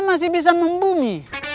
masih bisa membumi